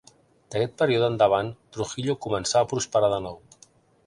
D'aquest període endavant, Trujillo començà a prosperar de nou.